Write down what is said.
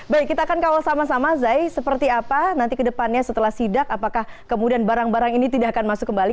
baik kita akan kawal sama sama zai seperti apa nanti ke depannya setelah sidak apakah kemudian barang barang ini tidak akan masuk kembali